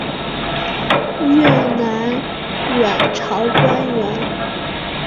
越南阮朝官员。